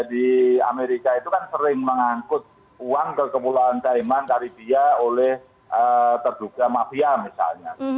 di amerika itu kan sering mengangkut uang ke kepulauan taiman taribia oleh terduga mafia misalnya